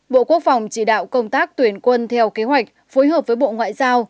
bộ quốc phòng chỉ đạo công tác tuyển quân theo kế hoạch phối hợp với bộ ngoại giao